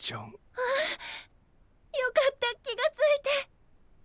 あっよかった気が付いて。